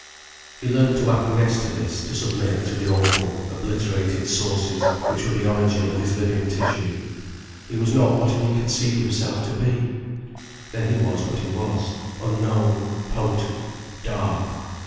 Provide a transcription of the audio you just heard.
He learned to acquiesce to this, to submit to the awful, obliterated sources which were the origin of his living tissue. He was not what he conceived himself to be! Then he was what he was, unknown, potent, dark.